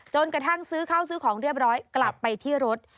กระทั่งซื้อข้าวซื้อของเรียบร้อยกลับไปที่รถ